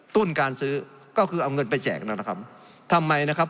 ต้นการซื้อก็คือเอาเงินไปแจกนั่นแหละครับทำไมนะครับ